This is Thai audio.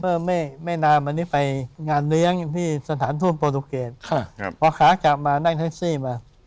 เพราะไม่นานวันนี้ไปงานเลี้ยงที่สถานธุรกิจพอขาดกลับมานั่งแท็กซี่มา